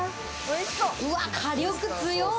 うわ、火力、強っ！